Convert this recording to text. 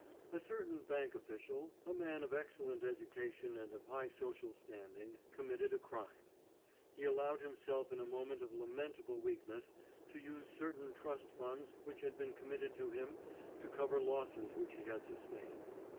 A certain bank official, a man of excellent education and of high social standing, committed a crime. He allowed himself in a moment of lamentable weakness to use certain trust funds which had been committed to him to cover losses which he had sustained.